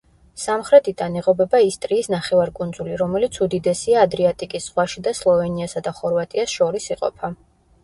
სამხრეთიდან ეღობება ისტრიის ნახევარკუნძული, რომელიც უდიდესია ადრიატიკის ზღვაში და სლოვენიასა და ხორვატიას შორის იყოფა.